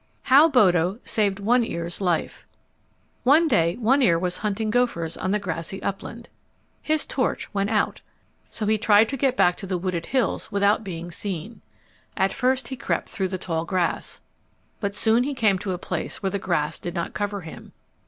How Bodo Saved One Ear's Life One day One Ear was hunting gophers on the grassy upland. His torch went out. So he tried to get back to the wooded hills without being seen. At first he crept through the tall grass. But he soon came to a place where the grass did not cover him.